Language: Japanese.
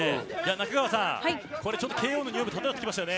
中川さん、ＫＯのにおいも漂ってきましたよね。